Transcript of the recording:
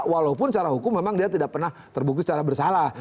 walaupun secara hukum memang dia tidak pernah terbukti secara bersalah